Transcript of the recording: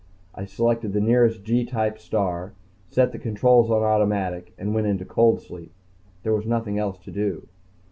I selected the nearest G type star, set the controls on automatic, and went into cold sleep. There was nothing else to do.